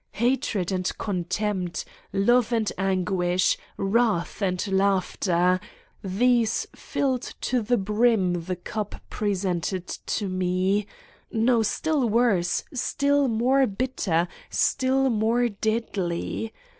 Ha tred and contempt, love and anguish, wrath and laughter, these filled to the brim the cup pre sented to Me ... no, still worse, still more bitter, still more deadly!